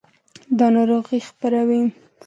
دا ناروغۍ خپروي.